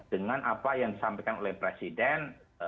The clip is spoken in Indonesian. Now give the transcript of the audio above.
dengan apa yang disampaikan oleh presiden